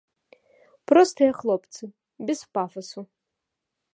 Простыя хлопцы, без пафасу.